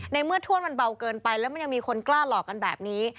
ในเมื่อถ้วนมันเบาเกินไปแล้วมันยังมีคนกล้าหลอกกันแบบนี้